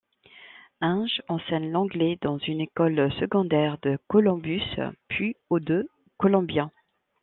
Inge enseigne l'anglais dans une école secondaire de Columbus, puis au de Columbia.